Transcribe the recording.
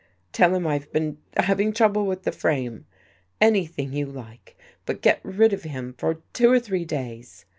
Tell him I've been having trouble with the frame — anything you like, but get rid of him for two or three days.